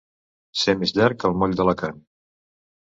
Ser més llarg que el moll d'Alacant.